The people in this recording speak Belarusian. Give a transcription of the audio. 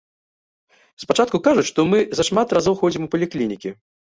Спачатку кажуць, што мы зашмат разоў ходзім у паліклінікі.